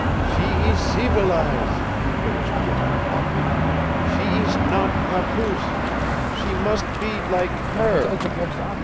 "She ees ceevilize!" finished Jan hotly. "She ees not papoose! She mus' be lak HER!"